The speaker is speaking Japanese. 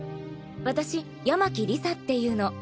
私山喜理沙っていうの。